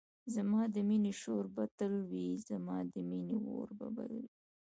زما د مینی شور به تل وی زما د مینی اور به بل وی